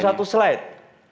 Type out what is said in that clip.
dalam satu slide